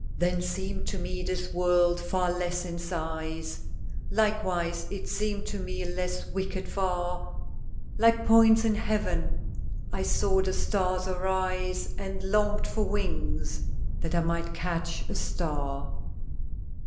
"Then seemed to me this world far less in size, Likewise it seemed to me less wicked far; Like points in heaven I saw the stars arise, And longed for wings that I might catch a star."